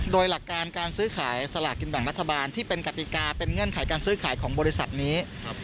โดยหลักการการซื้อขายสลากกินแบ่งรัฐบาลที่เป็นกติกาเป็นเงื่อนไขการซื้อขายของบริษัทนี้